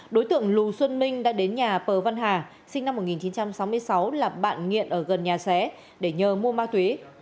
đối tượng lù xuân minh đã đến nhà pờ văn hà sinh năm một nghìn chín trăm sáu mươi sáu là bạn nghiện ở gần nhà xé để nhờ mua ma túy